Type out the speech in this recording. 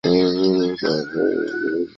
奥兰卡国家公园面积。